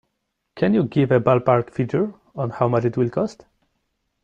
Can you give a ballpark figure on how much it will cost?